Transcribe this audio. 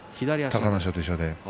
隆の勝と一緒で。